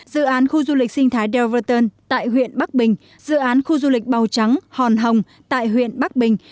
dự án khu du lịch sinh thái delverton tại huyện bắc bình dự án khu du lịch bào trắng hòn hồng tại huyện bắc bình